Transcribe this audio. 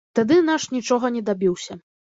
Тады наш нічога не дабіўся.